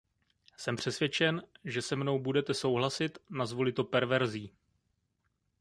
Jsem přesvědčen, že se mnou budete souhlasit, nazvu-li to perverzí.